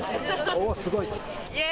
おーすごい。